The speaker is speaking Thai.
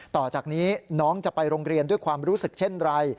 ต่อจากนี้น้องจะไปโรงเรียนด้วยความรู้สึกเช่นไร